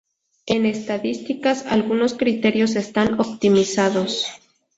En estadísticas, algunos criterios están optimizados.